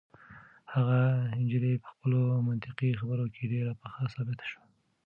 هغه نجلۍ په خپلو منطقي خبرو کې ډېره پخه ثابته شوه.